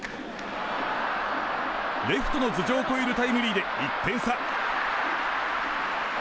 レフトの頭上を越えるタイムリーで１点差。